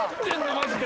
マジで。